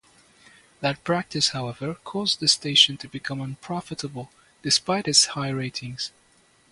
That practice, however, caused the station to become unprofitable despite its high ratings.